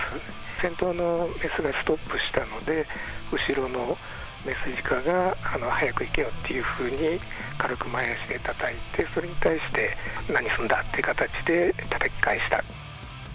先頭の雌がストップしたので、後ろの雌ジカが早く行けよっていうふうに軽く前足でたたいて、それに対して何すんだって形でたたき返した。